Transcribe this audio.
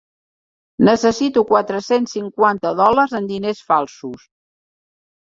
Necessito quatre-cents cinquanta dòlars en diners falsos.